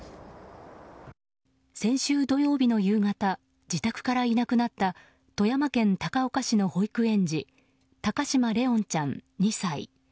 先週土曜日の夕方自宅からいなくなった富山県高岡市の保育園児高嶋怜音ちゃん、２歳。